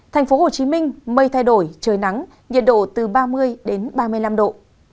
thành phố hồ chí minh mây thay đổi trời nắng nhiệt độ từ ba mươi ba mươi năm độ